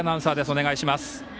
お願いします。